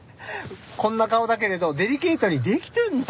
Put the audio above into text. こんな顔だけれどデリケートにできてんのよ。